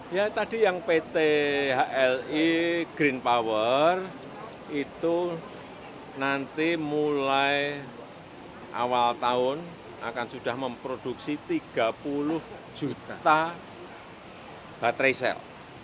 ya tadi yang pt hli green power itu nanti mulai awal tahun akan sudah memproduksi tiga puluh juta baterai sel